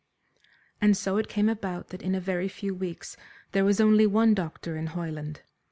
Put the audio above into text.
And so it came about that in a very few weeks there was only one doctor in Hoyland.